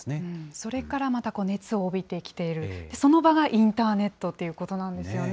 それからまた、熱を帯びてきている、その場がインターネットということなんですよね。